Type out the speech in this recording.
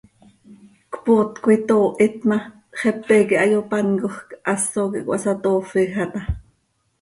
Cpoot coi toohit ma, xepe iiqui hayopáncojc, haso quih cöhasatoofija taa.